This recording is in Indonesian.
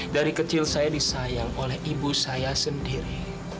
dari kecil saya disayang oleh ibu saya sendiri